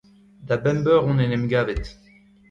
Da bemp eur on en em gavet.